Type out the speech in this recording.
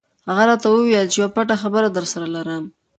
هغه راته وویل چې یوه پټه خبره درسره لرم.